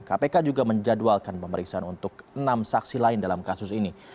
kpk juga menjadwalkan pemeriksaan untuk enam saksi lain dalam kasus ini